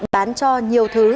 bán cho nhiều thứ